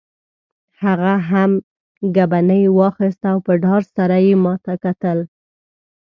هغه هم ګبڼۍ واخیست او په ډار سره یې ما ته کتل.